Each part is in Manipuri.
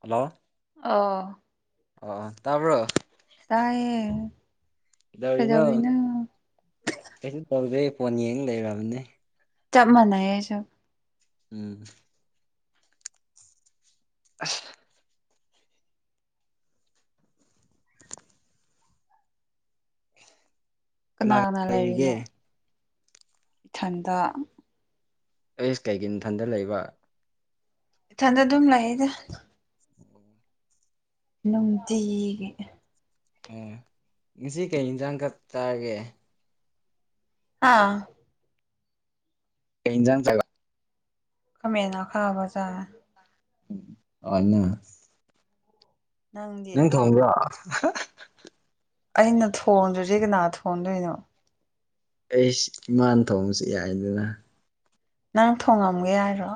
ꯍꯜꯂꯣ ꯑꯥ ꯑꯣ ꯇꯥꯕ꯭ꯔꯣ ꯗꯧꯔꯤꯅ ꯀꯩꯗꯧꯔꯤꯅꯣ ꯀꯩꯁꯨ ꯇꯧꯗꯦ ꯐꯣꯟ ꯌꯦꯡ ꯂꯩꯔꯕꯅꯦ ꯆꯞ ꯃꯅꯌꯦꯁꯨ ꯎꯝ ꯑ ꯀꯅꯥ ꯀꯅꯥ ꯂꯩꯔꯤꯅꯣ ꯏꯊꯟꯗ ꯑꯦꯁ ꯀꯩꯒꯤ ꯏꯊꯟꯗ ꯂꯩꯕ ꯏꯊꯟꯗ ꯑꯗꯨꯝ ꯂꯩꯌꯦꯗ ꯎꯝ ꯅꯨꯡꯇꯤꯒꯤ ꯑꯥ ꯉꯁꯤ ꯀꯩ ꯌꯦꯟꯁꯥꯡ ꯆꯛ ꯇꯥꯒꯦ ꯑꯥ ꯀꯩꯖꯥꯡ ꯆꯒ ꯈꯃꯦꯟꯅꯥ ꯈꯥꯕꯖꯥꯔꯦ ꯑꯩꯅ ꯅꯪꯗꯤ ꯅ ꯊꯉꯕ ꯑꯩꯅ ꯊꯣꯡꯗ꯭ꯔꯤꯁꯤ ꯀꯅꯥ ꯊꯣꯡꯗꯣꯏꯅꯣ ꯑꯩ ꯏꯃꯥꯟ ꯊꯣꯡꯁꯤ ꯌꯥꯏꯗꯅ ꯅꯪ ꯊꯣꯡꯉꯝꯒꯦ ꯍꯥꯏꯔꯣ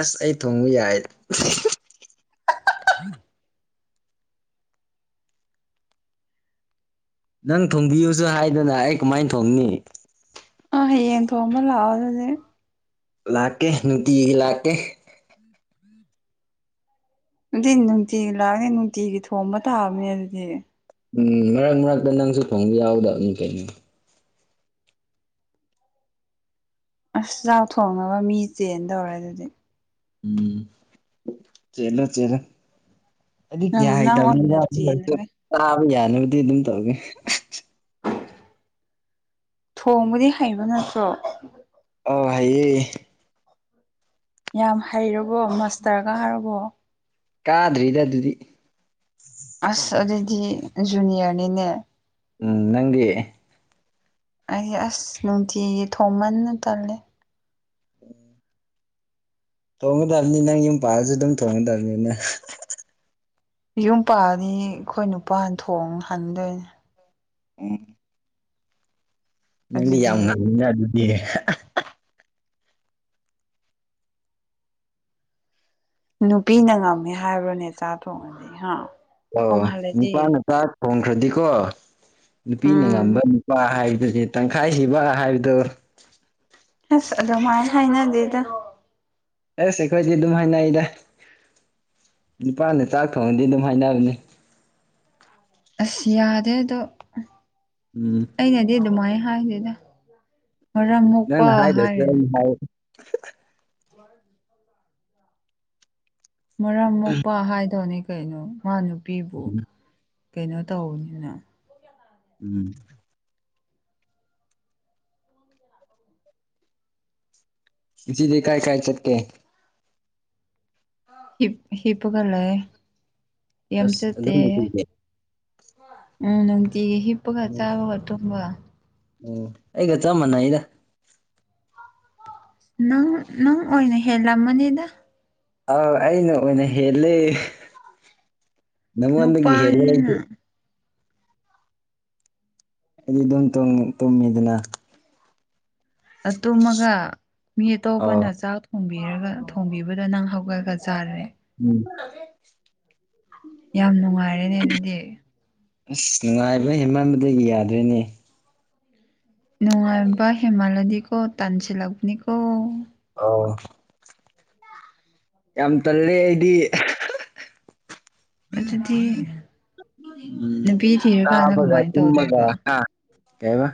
ꯑꯁ ꯑꯩ ꯊꯣꯡꯉꯨ ꯌꯥꯏ [unintelligible] ꯅꯪ ꯊꯣꯡꯕꯤꯌꯨꯁꯨ ꯍꯥꯏꯗꯅ ꯑꯩ ꯀꯃꯥꯏꯅ ꯊꯣꯡꯅꯤ ꯑ ꯌꯦꯟ ꯇꯣꯡꯝꯕ ꯂꯥꯎꯗꯗꯤꯦ ꯏꯂꯥꯛꯀꯦ ꯅꯨꯇ ꯏꯂꯀꯦ ꯑꯗꯨꯗꯤ ꯅꯨꯡꯇꯤꯒꯤ ꯂꯥꯛꯅꯤ ꯅꯨꯡꯇꯤꯒꯤ ꯊꯣꯡꯕ ꯇꯥꯕꯅꯦ ꯑꯗꯨꯗꯤ ꯎꯝ ꯃꯔꯛ ꯃꯔꯛꯇ ꯅꯪꯁꯨ ꯊꯣꯡꯕ ꯌꯥꯎꯗꯕꯅꯤ ꯀꯩꯅꯣ ꯑꯁ ꯆꯥꯛ ꯊꯣꯡꯅꯕ ꯃꯤ ꯆꯦꯟ ꯇꯧꯔꯦ ꯑꯗꯨꯗꯤ ꯎꯝ ꯆꯂ ꯆꯦꯔ ꯍꯥꯏꯗꯤ ꯅꯪ ꯀ꯭ꯌꯥ ꯅꯪ ꯑꯣꯏꯅ ꯍꯩꯇꯕꯅꯤꯅ ꯆꯦꯟꯂꯒꯦ ꯆꯥꯕ ꯌꯥꯅꯕꯗꯤ ꯑꯗꯨꯝ ꯇꯧꯏꯦ ꯊꯣꯡꯕꯗꯤ ꯍꯩꯕ ꯅꯠꯇ꯭ꯔꯣ ꯑ ꯍꯥꯏꯌꯦ ꯌꯥꯝ ꯍꯩꯔꯕꯣ ꯃꯥꯁꯇꯔꯒ ꯍꯥꯏꯔꯕꯣ ꯀꯥꯗ꯭ꯔꯤꯗ ꯑꯗꯨꯗꯤ ꯑꯁ ꯑꯗꯨꯗꯤ ꯖꯨꯅꯤꯌꯔꯅꯤꯅꯦ ꯎꯝ ꯅꯪꯒꯤ ꯑꯩꯗꯤ ꯑꯁ ꯅꯨꯡꯇꯤꯒꯤ ꯊꯣꯡꯃꯟꯅ ꯇꯜꯂꯦ ꯎꯝ ꯇꯣꯡꯒꯗꯕꯅꯤ ꯅꯪ ꯌꯨꯝ ꯄꯥꯑꯁꯨ ꯑꯗꯨꯝ ꯇꯣꯡꯒꯗꯕꯅꯤꯅ ꯌꯨꯝ ꯄꯥꯂꯅꯤ ꯑꯩꯈꯣꯏ ꯅꯨꯄꯥ ꯊꯣꯡ ꯍꯟꯗꯣꯏꯅꯦ ꯎꯝ ꯅꯪꯗꯤ ꯌꯥꯝ ꯑꯗꯨꯗꯤ ꯉꯥꯡꯅꯤꯅ ꯑꯗꯨꯗꯤ ꯅꯨꯄꯤꯅ ꯉꯝꯃꯦ ꯍꯥꯏꯕ꯭ꯔꯣꯅꯦ ꯆꯥ ꯊꯣꯡꯉꯗꯤ ꯑ ꯑ ꯅꯨꯄꯥ ꯅꯨꯆꯥ ꯊꯣꯡꯈ꯭ꯔꯗꯤꯀꯣ ꯅꯨꯄꯤꯅ ꯎꯝ ꯉꯝꯕ ꯅꯨꯄꯥ ꯍꯥꯏ ꯑꯗꯨꯒꯤ ꯇꯪꯈꯥꯏꯁꯤꯕ ꯍꯥꯏꯕꯗꯨꯣ ꯑꯁ ꯑꯗꯨꯃꯥꯏꯅ ꯍꯥꯏꯅꯗꯦꯗ ꯑꯦꯁ ꯑꯩꯈꯣꯏꯗꯤ ꯑꯗꯨꯝ ꯍꯥꯏꯅ ꯑꯩꯗ ꯅꯤꯄꯥꯅ ꯆꯥꯛ ꯊꯣꯡꯉꯗꯤ ꯑꯗꯨꯝ ꯍꯥꯏꯅꯕꯅꯤ ꯑꯁ ꯌꯥꯗꯦ ꯑꯗꯣ ꯎꯝ ꯑꯩꯅꯗꯤ ꯑꯗꯨꯃꯥꯏ ꯍꯥꯏꯁꯤꯗ ꯃꯔꯝ ꯃꯣꯛꯄ ꯅꯪꯅ ꯍꯥꯏꯗ꯭ꯔꯁꯨ ꯍꯥꯏꯔꯦꯅꯤ ꯑꯩꯅ [unintelligible] ꯃꯔꯝ ꯃꯨꯄ ꯍꯥꯏꯗꯧꯅꯦ ꯀꯩꯅꯣ ꯃꯥ ꯅꯨꯄꯤꯕꯨ ꯀꯩꯅꯣ ꯇꯧꯕꯅꯤꯅ ꯎꯝ ꯖꯤ ꯗ ꯀꯥꯏꯑ ꯀꯥꯏ ꯆꯠꯀꯦ ꯍꯤꯞ ꯍꯤꯄꯒꯂꯑ ꯑꯁ ꯑꯦꯝꯆ ꯇ ꯑꯗꯨꯝ ꯂꯩꯌꯦ ꯎꯝ ꯅꯇꯒꯤ ꯍꯤꯞꯒ ꯆꯥꯕꯒ ꯇꯨꯝꯝꯕ ꯎꯝ ꯑꯩꯒ ꯆꯃꯅꯥ ꯏꯗ ꯅꯪ ꯅꯪ ꯑꯣꯏꯅ ꯍꯦꯜꯂꯝꯃꯅꯤꯗ ꯑꯥ ꯑꯩꯅ ꯑꯣꯏꯅ ꯍꯦꯜꯂꯦ ꯅꯝꯕꯣꯟꯟꯒꯤ ꯍꯦꯔꯥꯏꯦ ꯅꯨꯄꯥꯅꯤꯅ ꯑꯗꯨ ꯑꯗꯨꯝ ꯇꯣꯡ ꯇꯨꯝꯃꯤꯗꯅ ꯇꯨꯝꯃꯒ ꯃꯤ ꯑꯇꯣꯞꯄꯅ ꯑꯣ ꯆꯥꯛ ꯊꯣꯡꯕꯤꯔꯒ ꯊꯣꯡꯕꯤꯕꯗ ꯅꯪ ꯍꯧꯒꯠꯀꯁꯤ [unintelligible] ꯌꯥꯝ ꯅꯨꯡꯉꯥꯏꯔꯦꯅꯦ ꯑꯗꯨꯗꯤ ꯑꯁ ꯅꯨꯡꯉꯥꯏꯕ ꯍꯦꯃꯝꯕꯗꯒꯤ ꯌꯥꯗꯣꯏꯅꯦ ꯅꯨꯡꯉꯥꯏꯕ ꯍꯦꯃꯂꯗꯤꯀꯣ ꯇꯥꯟꯁꯤꯂꯛꯅꯤꯀꯣ ꯑꯣ ꯌꯥꯝ ꯇꯜꯂꯦ ꯑꯩꯗꯤ ꯑꯗꯨꯗꯤ ꯅꯨꯄꯤ ꯊꯤꯔꯀꯥꯟꯗ ꯎꯝꯕꯒ ꯀꯃꯥꯏꯅ ꯇꯃꯒ ꯇꯧꯗꯣꯏꯕ ꯍꯥ ꯀꯏ ꯋꯥ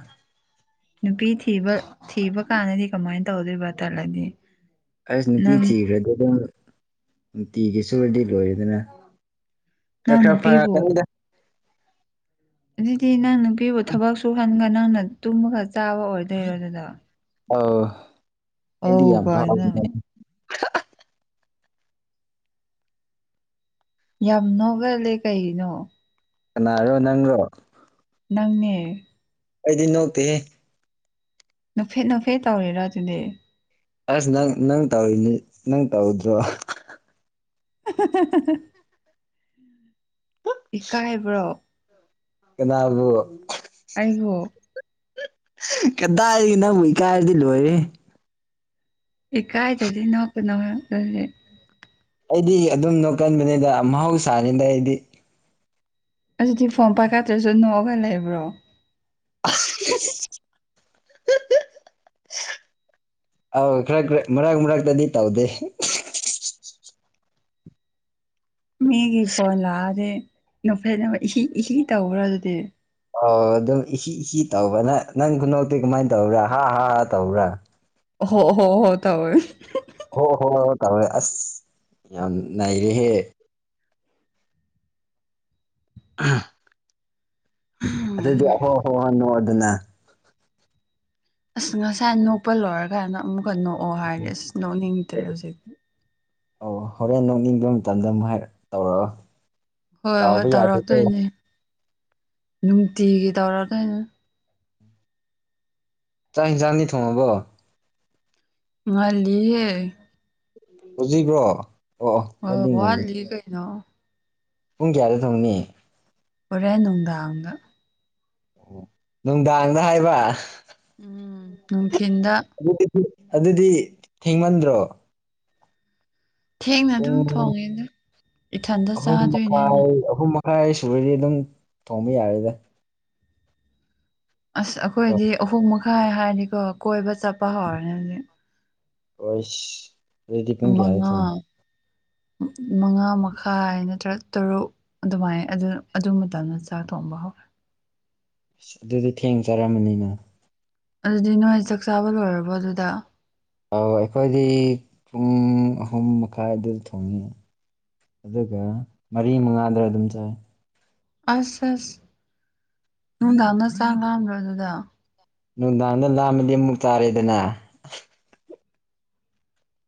ꯅꯨꯄꯤ ꯊꯤꯕ ꯊꯤꯕ ꯀꯥꯟꯗꯗꯤ ꯀꯃꯥꯏꯅ ꯇꯧꯗꯣꯏꯕ ꯇꯜꯂꯗꯤ ꯑꯁ ꯅꯨꯄꯤ ꯅꯪ ꯊꯤꯈ꯭ꯔꯗꯤ ꯑꯗꯨꯝ ꯅꯨꯡꯇꯤꯒꯤ ꯁꯨꯔꯗꯤ ꯂꯣꯏꯔꯦꯗꯅ ꯀ ꯅꯪ ꯈꯥ ꯐꯔ ꯅꯨꯄꯤꯕꯨ ꯀꯗ ꯑꯗꯨꯗꯤ ꯅꯪ ꯅꯨꯄꯤꯕꯨ ꯊꯕꯛ ꯁꯨꯍꯟꯒ ꯅꯪꯅ ꯇꯨꯝꯃꯒ ꯆꯥꯕ ꯑꯣꯏꯗꯣꯏꯔꯣ ꯑꯗꯨꯗ ꯑ ꯏꯗꯤ ꯌꯥꯝ ꯌꯥꯝ ꯀꯥꯏꯅ ꯐꯥꯎꯅꯦ ꯌꯥꯝ ꯅꯣꯒꯜꯂꯦ ꯀꯩꯅꯣ ꯅꯥꯔ ꯅꯒꯣ ꯅꯪꯅꯦ ꯑꯩꯗꯤꯟ ꯅꯣꯇꯦ ꯅꯨꯐꯦꯠ ꯅꯐꯦꯠ ꯇꯧꯔꯤꯦꯔꯣ ꯑꯗꯨꯗꯤ ꯑꯁ ꯅꯪ ꯅꯪ ꯇꯧꯔꯤꯅꯤ ꯅꯪ ꯇꯧꯗ꯭ꯔꯣ [inaudible] ꯏꯀꯥꯏꯕ꯭ꯔꯣ ꯅꯥꯒ ꯑꯩꯍꯣ ꯀꯈꯤꯇꯥꯔꯗꯤ ꯅꯪꯕꯨ ꯏꯀꯥꯏꯔꯗꯤ ꯂꯣꯏꯔꯦ ꯏ ꯀꯥꯏꯗꯔꯗꯤ ꯅꯣꯀ ꯅꯦ ꯑꯩꯗꯤ ꯑꯗꯨꯝꯅꯣ ꯀꯟꯕꯅꯤꯗ ꯃꯍꯧꯁꯥꯔꯤꯗ ꯑꯩꯗꯤ ꯑꯗꯨꯗꯤ ꯐꯣꯝ ꯄꯥꯏꯈꯠꯇ꯭ꯔꯁꯨ ꯅꯣꯛꯑꯒ ꯂꯩꯕ꯭ꯔꯣ [inaudible] [inaudible] ꯑꯥꯎ ꯈꯔ ꯈꯔ ꯃꯔꯛ ꯃꯔꯛꯇꯗꯤ ꯇꯧꯗꯦ ꯃꯤꯒꯤ ꯐꯣꯟ ꯂꯥꯛꯑꯗꯤ ꯅꯨꯐꯦꯠꯅꯕ ꯏ ꯏ ꯇꯧꯈ꯭ꯔ ꯑꯗꯨꯗꯤ ꯑꯣ ꯑꯗꯨꯝ ꯏ ꯏ ꯇꯧꯕꯅ ꯅꯪ ꯈꯨꯗꯣꯛꯇꯤ ꯀꯃꯥꯏꯅ ꯇꯧꯔꯥ ꯍꯥ ꯍꯥ ꯍꯥ ꯇꯧ꯭ꯔꯥ ꯍꯣ ꯍꯣ ꯍꯣ ꯇꯋꯣꯏ ꯇꯣꯏ ꯑꯁ ꯌꯥꯝ ꯅꯥꯏꯔꯦꯍꯦ ꯑ ꯑꯗꯨꯗꯤ ꯑꯍꯣ ꯍꯣ ꯍꯅꯣ ꯑꯗꯨꯅ ꯑꯁ ꯉꯁꯥꯏ ꯅꯣꯛꯄ ꯂꯣꯏꯔꯀꯥꯟꯗ ꯑꯃꯨꯛꯀ ꯅꯣꯛꯑꯣ ꯍꯥꯏꯔꯗꯤ ꯑꯁ ꯅꯣꯛꯅꯤꯡꯗ꯭ꯔꯦ ꯍꯧꯖꯤꯛꯇꯤ ꯑꯣ ꯍꯣꯔꯦꯟ ꯅꯣꯛꯅꯤꯡꯕ ꯃꯇꯝꯗ ꯑꯃꯨꯛ ꯍꯥꯏ ꯇꯧꯔꯑꯣ ꯍꯣꯏ ꯍꯣꯏ ꯇꯧꯔꯛꯛꯇꯣꯏꯅꯦ ꯅꯨꯡꯇꯤꯒꯤ ꯇꯧꯔꯛꯗꯣꯏꯅꯦ ꯆꯥꯛ ꯍꯤꯡꯁꯥꯡꯅꯤ ꯊꯣꯡꯉꯕꯣ ꯃꯥꯜꯂꯤ ꯎꯁꯤꯕ꯭ꯔꯣ ꯑꯣ ꯑꯣ ꯀꯗꯤ ꯉꯜꯂꯤ ꯋꯥꯠꯂꯤ ꯀꯩꯅꯣ ꯄꯨꯡ ꯀꯌꯥꯗ ꯊꯪꯅꯤ ꯄꯨꯣꯔꯦ ꯅꯨꯡꯗꯥꯗ ꯅꯨꯡꯗꯥꯡꯗ ꯍꯥꯏꯕ ꯎꯝ ꯅꯨꯡꯊꯤꯟꯗ ꯑꯗꯨꯗꯤ ꯑꯗꯨꯗꯤ ꯊꯦꯡꯃꯟꯗ꯭ꯔꯣ ꯊꯦꯡꯅ ꯄꯨꯡ ꯑꯗꯨꯝ ꯊꯣꯡꯉꯦꯗ ꯏꯊꯟꯇ ꯑꯍꯨꯝ ꯆꯥꯗꯣꯏꯅꯤꯅ ꯃꯈꯥꯏ ꯑꯍꯨꯝ ꯃꯈꯥꯏ ꯐꯥꯏ ꯑꯩ ꯁꯨꯔꯗꯤ ꯑꯗꯨꯝ ꯊꯣꯡꯕ ꯌꯥꯔꯦꯗ ꯑꯁ ꯀꯣ ꯑꯩꯈꯣꯏꯗꯤ ꯑꯍꯨꯝ ꯃꯈꯥꯏ ꯍꯥꯏꯔꯗꯤꯀꯣ ꯀꯣꯏꯕ ꯆꯠꯄ ꯍꯧꯔꯅꯤ ꯍꯧꯖꯤꯛ ꯍꯁ ꯔꯦꯗꯤꯄꯒꯗ ꯃꯉꯥ ꯊꯣꯡ ꯃꯉꯥ ꯃꯈꯥꯏ ꯅꯠꯇ꯭ꯔ ꯇꯔꯨꯛ ꯑꯗꯨꯃꯥꯏꯅ ꯑꯗꯨ ꯑꯗꯨ ꯃꯇꯝꯗ ꯆꯥꯛ ꯊꯣꯡ ꯃꯥꯍ ꯑꯁ ꯑꯗꯨꯗꯤ ꯊꯦꯡ ꯆꯔꯃꯅꯤꯅ ꯑꯗꯨꯗꯤ ꯅꯣꯏꯣꯏ ꯆꯥꯛ ꯆꯥꯕ ꯂꯣꯏꯔꯕꯣ ꯑꯗꯨꯗ ꯑ ꯑꯩꯈꯣꯏꯗꯤ ꯄꯨꯡ ꯑꯍꯨꯝ ꯃꯈꯥꯏ ꯑꯗꯨꯗ ꯊꯣꯡꯉꯤ ꯑꯗꯨꯒ ꯃꯔꯤ ꯃꯉꯥꯗ ꯑꯗꯨꯝ ꯆꯥꯏ ꯑꯁ ꯑꯁ ꯅꯨꯡꯗꯥꯡꯅ ꯆꯥꯡ ꯉꯥꯟꯕ꯭ꯔꯣ ꯑꯗꯨꯗ ꯅꯨꯡꯗꯥꯡꯗ ꯂꯥꯝꯃꯗꯤ ꯑꯃꯨꯛ ꯆꯥꯔꯦꯗꯅ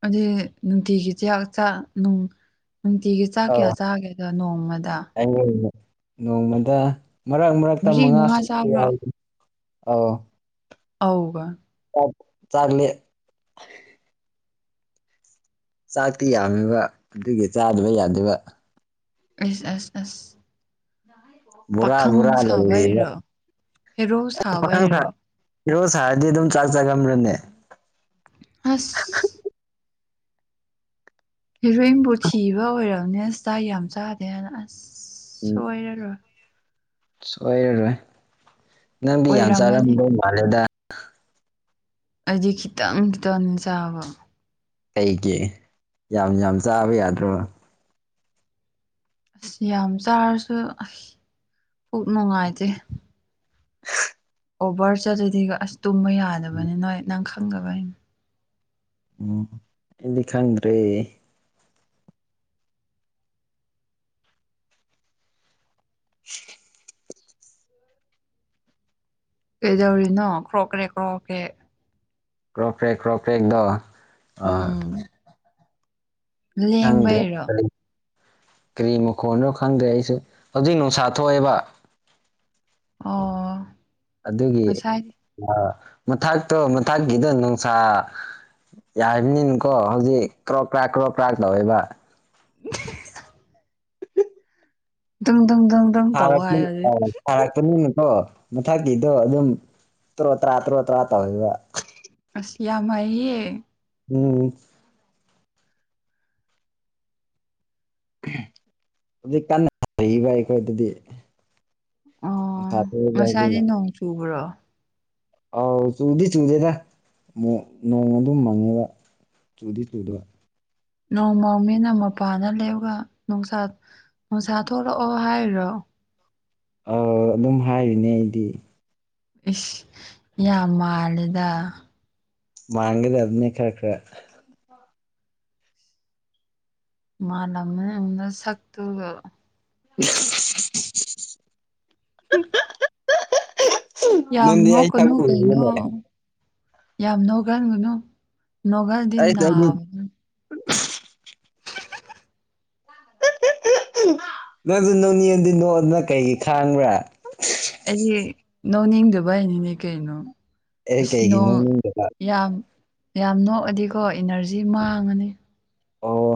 ꯑꯗꯨꯗꯤ ꯅꯨꯡꯇꯤꯒꯤ ꯆꯥꯛ ꯆꯅꯨꯡ ꯅꯨꯡꯇꯤꯒꯤ ꯆꯥꯛ ꯀꯌꯥ ꯆꯥꯒꯦ ꯅꯣꯡꯃꯗꯤ ꯑꯩꯉ ꯅꯣꯡꯃꯗ ꯃꯔꯛ ꯃꯔꯛꯇ ꯃꯔꯤ ꯃꯉꯥ ꯁ ꯆꯥꯕ꯭ꯔꯣ ꯑ [unintelligible] [inaudible] ꯑꯥꯎꯕ ꯆꯥꯒꯂ ꯆꯥꯛꯇꯤ ꯌꯥꯝꯃꯤꯕ ꯑꯗꯨꯒꯤ ꯆꯥꯗꯕ ꯌꯥꯗꯕ ꯑꯁ ꯑꯁ ꯑꯁ ꯕꯔꯥ ꯕꯨꯔꯥ ꯄꯥꯈꯪ ꯂꯩ ꯁꯥꯕꯩꯔꯣ ꯍꯦꯔꯣ ꯄꯈꯪ ꯈ ꯁꯥꯕꯩꯔꯣ ꯍꯤꯔꯣ ꯁꯥꯔꯗꯤ ꯑꯗꯨꯝ ꯆꯥꯛ ꯆꯥꯒ꯭ꯔꯅꯦ ꯑꯁ ꯍꯦꯔꯣꯏꯟꯕꯨ ꯊꯤꯕ ꯑꯣꯏꯔꯕꯝꯅꯦ ꯆꯥꯛ ꯌꯥꯝ ꯆꯥꯗꯦꯅ ꯑꯁ ꯎꯝ ꯁꯣꯏꯔꯔꯣꯏ ꯁꯣꯏꯔꯔꯣꯏ ꯅꯪꯗꯤ ꯌꯥꯝ ꯑꯣꯏꯔꯝꯃꯅꯤ ꯆꯥꯔꯝꯗꯣꯏ ꯃꯥꯜꯂꯦꯗ ꯑꯩꯗꯤ ꯈꯤꯇꯪ ꯈꯤꯇꯪꯅꯦ ꯆꯥꯕ ꯑꯩꯒꯤ ꯌꯥꯝ ꯌꯥꯝ ꯆꯥꯕ ꯌꯥꯗ꯭ꯔꯣ ꯑꯁ ꯌꯥꯝ ꯆꯥꯔꯁꯨ ꯑ ꯄꯨꯛ ꯅꯨꯡꯉꯥꯏꯇꯦ [unintelligible] [inaudible] ꯑꯣꯕꯔ ꯆꯠꯂꯨꯗꯤꯒ ꯑꯁ ꯇꯨꯝꯕ ꯌꯥꯗꯕꯅꯤ ꯅꯣꯏ ꯅꯪ ꯈꯪꯗꯕ ꯍꯥꯏꯩꯅ ꯎꯝ ꯗꯨꯗꯤ ꯈꯪ꯭ꯔꯦ [unintelligible] [inaudible] ꯀꯩꯗꯧꯔꯤꯅꯣ ꯀ꯭ꯔꯣꯈ꯭ꯔꯦ ꯈ꯭ꯔꯣꯀ꯭ꯔꯦ ꯀ꯭ꯔꯣꯄ꯭ꯔꯒ ꯀ꯭ꯔꯣ꯭ꯔꯦꯒꯗ ꯂꯦꯡꯕꯔꯣ ꯀ꯭ꯔꯤ ꯃꯈꯣꯟꯅꯣ ꯈꯪꯗ꯭ꯔꯦ ꯑꯩꯁꯨ ꯍꯧꯖꯤꯛ ꯅꯨꯡꯁꯥ ꯊꯣꯛꯑꯦꯕ ꯑꯣ ꯑꯗꯨꯒꯤ ꯉꯁꯥꯏꯗꯤ ꯑ ꯃꯊꯥꯛꯇꯣ ꯃꯊꯥꯛꯀꯤꯗꯣ ꯅꯨꯡꯁꯥ ꯌꯥꯕꯅꯤꯅꯀꯣ ꯍꯧꯖꯤꯛ ꯀ꯭ꯔꯣꯛ ꯀ꯭ꯔꯥꯛ ꯀ꯭ꯔꯣꯛ ꯀ꯭ꯔꯥꯛ ꯇꯧꯋꯦꯕ [unintelligible] [inaudible] ꯗꯨꯡ ꯗꯨꯡ [inaudible] ꯇꯧ ꯐꯔꯛ ꯍꯥꯏ ꯍꯧꯖꯤꯛ ꯐꯔꯛꯇ ꯅꯨꯡ [unintelligible] ꯃꯊꯛꯀꯤꯗꯣ ꯑꯗꯨꯝ ꯇ꯭ꯔꯣ ꯇ꯭ꯔꯥ ꯇ꯭ꯔꯣ ꯇ꯭ꯔꯥ ꯇꯧꯋꯦꯕ ꯑꯁ ꯌꯥꯝ ꯍꯩꯌꯦ ꯎꯝ ꯑꯗꯨ ꯀꯟꯅꯔꯤꯕ ꯑꯩꯈꯣꯏ ꯑꯗꯨꯗꯤ ꯑꯣ ꯉꯁꯥꯏꯗꯤ [unintelligible] ꯅꯣꯡ ꯆꯨꯕ꯭ꯔꯣ ꯑꯥꯎ ꯆꯨꯗꯤ ꯆꯨꯗꯦꯗ ꯅꯣꯡ ꯑꯗꯨꯝ ꯃꯪꯉꯦꯕ ꯆꯨꯗꯤ ꯆꯨꯗꯦ ꯅꯣꯡꯃ ꯃꯤꯅ ꯃꯄꯥꯅ ꯂꯩꯒ ꯅꯨꯡꯁꯥ ꯅꯨꯡꯁꯥ ꯊꯣꯛꯂꯛꯑꯣ ꯍꯥꯏꯔꯣ ꯑꯗꯨꯝ ꯍꯥꯏꯔꯤꯅꯦ ꯑꯩꯗꯤ ꯏꯁ ꯌꯥꯝ ꯃꯥꯜꯂꯦꯗ ꯃꯥꯉꯗꯤ ꯑꯗꯨꯅꯦ ꯈꯔ ꯈꯔ ꯃꯥꯂꯝꯅꯤ ꯁꯛꯇꯨꯒ [unintelligible] [inaudible] ꯌꯥꯡ ꯅꯪꯗꯤ ꯑꯩ ꯁꯛ ꯅꯣꯀꯅꯣ ꯀꯩꯅꯣ ꯎꯔꯤꯕꯅꯦ ꯌꯥꯝ ꯅꯣꯀꯟꯒꯅꯨ ꯅꯣꯡꯀꯥꯟꯗꯤ ꯑꯩꯁ ꯑꯩꯗꯤ ꯅꯥꯕꯅꯤ ꯅꯪꯁꯨ ꯅꯣꯡꯅꯦꯗꯤ ꯅꯣꯛꯑꯗꯅ ꯀꯩꯒꯤ ꯈꯥꯡꯕ꯭ꯔꯥ ꯅꯧꯅꯤꯡꯗꯕ ꯍꯥꯏꯅꯤꯅꯦ ꯀꯩꯅꯣ ꯑꯩ ꯑꯁ ꯀꯩꯒꯤ ꯅꯣꯡ ꯅꯣꯛꯅꯤꯡꯗꯕ ꯌꯥꯝ ꯌꯥꯝ ꯅꯣꯛꯑꯗꯤꯀꯣ ꯏꯅꯔꯖꯤ ꯃꯥꯡꯉꯅꯤ ꯑꯣ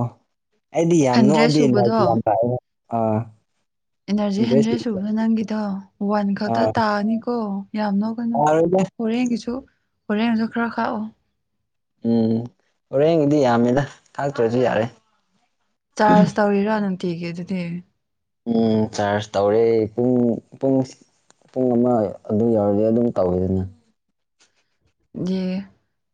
ꯑꯩꯗꯤ ꯌꯥꯝ ꯍꯟꯗ꯭ꯔꯦꯠ ꯅꯣꯛꯑꯗꯤꯦ ꯂꯥꯏ ꯌꯥꯝ ꯂꯥꯛꯑꯦ ꯑꯥ ꯑꯦꯅꯔꯖꯤ ꯍꯟꯗ꯭ꯔꯦ ꯏꯟꯇꯔꯦꯁ ꯂꯩꯇꯦ ꯁꯨꯕꯗꯣ ꯅꯪꯒꯤꯗꯣ ꯋꯥꯟ ꯈꯛꯇ ꯑꯥ ꯇꯥꯑꯅꯤꯀꯣ ꯌꯥꯝꯅ ꯀꯩꯅꯣ ꯌꯥꯔꯣꯏꯗ ꯍꯣꯔꯦꯟꯒꯤꯁꯨ ꯍꯣꯔꯦꯟꯁꯨ ꯈꯔ ꯈꯥꯛꯑꯣ ꯎꯝ ꯍꯣꯔꯦꯡꯒꯤꯗꯤ ꯌꯥꯝꯃꯤꯗ ꯇꯥꯛꯇ꯭ꯔꯁꯨ ꯌꯥꯔꯦ ꯆꯥꯔꯖ ꯇꯧꯔꯤꯔꯥ ꯅꯨꯡꯇꯤꯒꯤ ꯑꯗꯨꯗꯤ ꯎ ꯆꯥꯔꯁ ꯇꯧꯔꯦ ꯄꯨꯡ ꯄꯨꯡ ꯄꯨꯡ ꯑꯃ ꯑꯗꯨꯝ ꯌꯎꯔꯗꯤ ꯑꯗꯨꯝ ꯇꯧꯋꯦ ꯑꯗꯨꯅ ꯌꯦ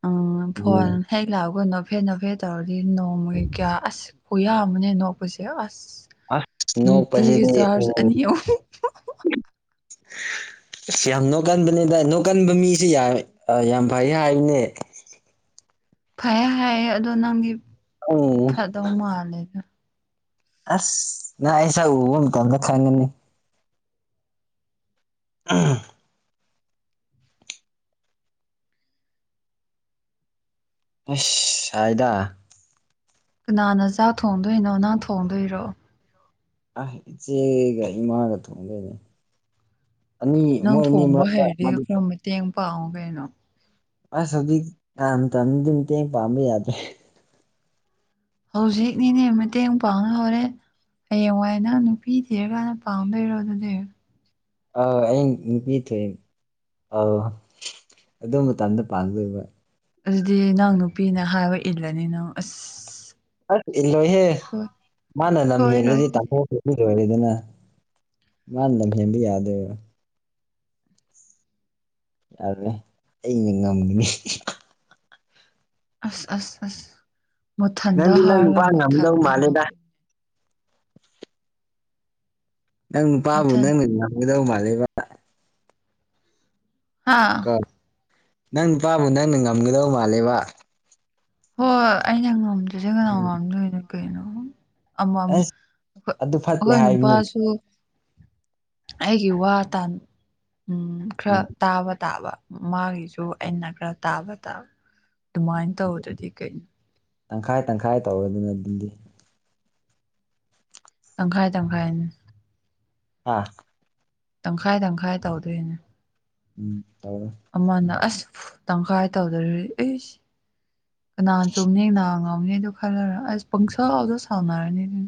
ꯎꯝ ꯐꯣꯟꯣꯟ ꯍꯦꯛ ꯂꯥꯛꯒꯣ ꯍꯥꯐꯦꯠ ꯅꯐꯦꯠ ꯇꯧꯔꯗꯤ ꯅꯣꯡꯃꯒꯤ ꯀꯌꯥ ꯑꯁ ꯀꯌꯥ ꯑꯃꯅꯦ ꯅꯣꯛꯄꯁꯦ ꯑꯁ ꯑꯁ ꯅꯨꯡꯇꯤꯒꯤ ꯅꯣꯛꯄꯁꯤꯗꯤ ꯆꯥꯔꯖ ꯑꯅꯤ ꯑꯍꯨꯝ ꯑꯁ ꯌꯥꯝ ꯅꯣꯛꯀꯟꯕꯅꯦꯗ ꯅꯣꯛꯀꯟꯕ ꯃꯤꯁꯦ ꯌꯥꯝ ꯐꯩ ꯍꯥꯏꯔꯤꯅꯦ ꯐꯩ ꯍꯥꯏꯌꯦ ꯑꯗꯣ ꯅꯪꯒꯤ ꯎꯝ ꯐꯗꯧ ꯃꯥꯜꯂꯦꯗ ꯑꯁ ꯅꯁꯥ ꯑꯃ ꯇꯗ ꯈꯥꯏꯒꯅꯤ ꯑ ꯁꯥꯏꯗꯥ ꯀꯅꯥꯅ ꯆꯥꯛ ꯊꯣꯡꯗꯣꯏꯅꯣ ꯅꯅꯥꯪ ꯊꯣꯡꯗꯣꯏꯔꯣ ꯑ ꯏꯆꯦꯒ ꯏꯃꯥꯒ ꯊꯣꯡꯒꯦꯅꯦ ꯑꯅꯤ ꯃꯣꯏꯅꯤ ꯃꯗꯨ ꯄꯥꯎꯕꯅꯣ ꯑꯁ ꯑꯗꯨꯗꯤ ꯀꯝꯇꯗꯤ ꯃꯇꯇꯦꯡ ꯄꯥꯝꯕ ꯌꯥꯗ꯭ꯔꯦ ꯍꯧꯖꯤꯛꯅꯤꯅꯦ ꯃꯇꯦꯡ ꯄꯥꯡꯅ ꯍꯧꯧꯔꯦ ꯍꯌꯦꯡꯋꯥꯏ ꯅꯪ ꯅꯨꯄꯤ ꯊꯤꯔꯀꯥꯟꯗ ꯄꯥꯝ ꯂꯩꯔꯣ ꯑꯗꯨꯗꯤ ꯑ ꯑꯩ ꯅꯨ ꯄꯤ ꯊ ꯑ ꯑꯗꯨ ꯃꯇꯝꯗ ꯄꯥꯡꯗꯣꯏꯕ ꯑꯗꯨꯗꯤ ꯅꯪ ꯅꯨꯄꯤꯅ ꯍꯥꯏꯕ ꯏꯜꯂꯅꯤ ꯅꯪ ꯑꯁ ꯑꯁ ꯏꯂꯣꯍꯦ ꯁꯣꯏ ꯃꯥꯅꯦ ꯅꯝ ꯁꯣꯏꯔꯣꯏ ꯍꯗꯤ ꯇꯣ ꯑꯗꯨꯗꯤ ꯅ ꯃꯥꯅ ꯂꯝ ꯍꯦꯟꯕ ꯌꯥꯗꯣꯏꯕ ꯌꯥꯔꯦ ꯑꯩꯅ ꯉꯝꯒꯅꯤ ꯑꯁ ꯑꯁ ꯑꯁ ꯃꯨꯊꯟꯗ ꯅꯪꯗꯤ ꯅꯪ ꯍꯥꯔꯒ ꯅꯨꯄꯥ ꯉꯝꯗꯧ ꯃꯨꯊꯟꯗ ꯃꯥꯜꯂꯦꯗ ꯅꯣꯛꯏꯅꯦ ꯅꯪ ꯅꯨꯄꯥꯕꯨ ꯃꯊꯟ ꯅꯪꯅ ꯉꯥꯡꯒꯗꯧ ꯃꯥꯜꯂꯦꯕ ꯍꯥꯥ ꯀꯣ ꯅꯪ ꯅꯨꯄꯥꯕꯨ ꯅꯪꯅ ꯉꯝꯒꯗꯧ ꯃꯥꯜꯂꯦꯕ ꯍꯣꯏ ꯑꯩꯅ ꯉꯝꯗꯣꯏꯁꯦ ꯀꯅꯥ ꯉꯝꯗꯣꯏꯅꯣ ꯀꯩꯅꯣ ꯑꯃ ꯑꯃ ꯑꯁ ꯑꯗꯨ ꯐꯠꯇꯦ ꯑꯩꯈꯣꯏ ꯍꯥꯏꯕꯅꯤ ꯅꯨꯄꯥꯁꯨ ꯑꯩꯒꯤ ꯋꯥ ꯎꯝ ꯈꯔ ꯎꯝ ꯇꯥꯕ ꯇꯥꯕ ꯃꯥꯒꯤꯁꯨ ꯑꯩꯅ ꯈꯔ ꯇꯥꯕꯗ ꯑꯗꯨꯃꯥꯏꯅ ꯇꯧꯕꯗꯗꯤ ꯀꯩꯅꯣ ꯇꯪꯈꯥꯏ ꯇꯪꯈꯥꯏ ꯇꯧꯔꯗꯨꯅ ꯑꯗꯨꯗꯤ ꯇꯪꯈꯥꯏ ꯇꯪꯈꯥꯏꯅꯤ ꯑꯥ ꯇꯪꯈꯥꯏ ꯇꯪꯈꯥꯏ ꯇꯧꯗꯣꯏꯅꯦ ꯎꯝ ꯇꯧꯔꯣ ꯑꯃꯅ ꯑꯁ ꯇꯪꯈꯥꯏ ꯇꯧꯗ ꯑꯩꯁ ꯀꯅꯥ ꯆꯨꯝꯅꯤ ꯉ ꯅꯍ ꯉꯥꯎꯅꯤꯗꯣ ꯈꯜꯂꯔ ꯑꯁ ꯄꯪꯁꯜꯥꯎꯗ ꯁꯥꯎꯅꯔꯅꯤ ꯑꯗꯨ